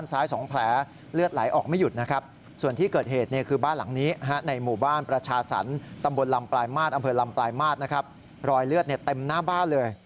รอยเลือดเต็มหน้าบ้านเลย